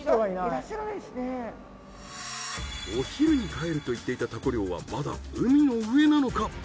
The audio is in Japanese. お昼に帰ると言っていたタコ漁はまだ海の上なのか？